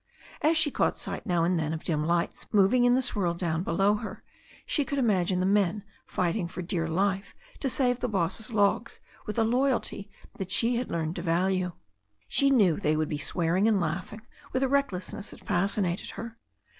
As she caught sight now and then of dim lights moving in the swirl down below her, she could imagine the men fighting for dear life to save the boss's logs with a loyalty that she had learned to value. She knew they would be swearing and laughing with a recklessness that fascinated her.